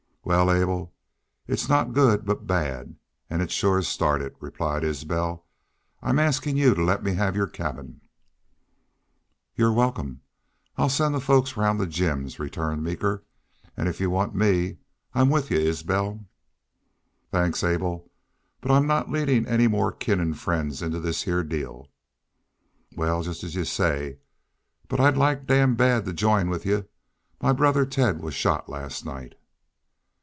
"Wal, Abel, it's not good, but bad. An' it's shore started," replied Isbel. "I'm askin' y'u to let me have your cabin." "You're welcome. I'll send the folks 'round to Jim's," returned Meeker. "An' if y'u want me, I'm with y'u, Isbel." "Thanks, Abel, but I'm not leadin' any more kin an' friends into this heah deal." "Wal, jest as y'u say. But I'd like damn bad to jine with y'u.... My brother Ted was shot last night."